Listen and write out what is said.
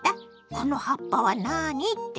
「この葉っぱは何」って？